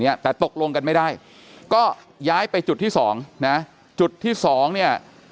เนี้ยแต่ตกลงกันไม่ได้ก็ย้ายไปจุดที่สองนะจุดที่สองเนี่ย